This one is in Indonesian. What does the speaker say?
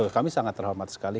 kami sangat terhormat sekali